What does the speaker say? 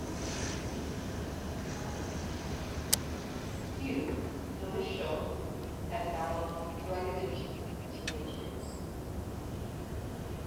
Hugh, known as "Shug", had battled drug addiction since his teenage years.